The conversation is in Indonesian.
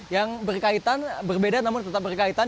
yang berkaitan berbeda namun tetap berkaitan